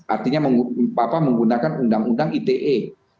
artinya menggunakan undang undang ite